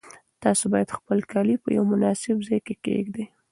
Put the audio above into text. تاسو باید خپل کالي په یو مناسب ځای کې کېږدئ.